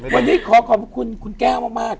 วันนี้ขอขอบคุณคุณแก้วมาก